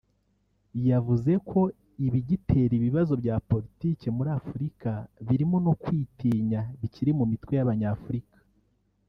yavuze ko ibigitera ibibazo bya Politiki muri Afurika birimo no kwitinya bikiri mu mitwe y’Abanyafurika